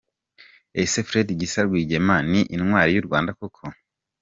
Ese Fred Gisa Rwigema ni intwari y’u Rwanda koko ?